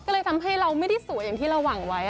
ก็เลยทำให้เราไม่ได้สวยอย่างที่เราหวังไว้